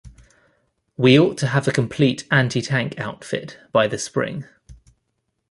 We ought to have a complete anti-tank outfit by the spring.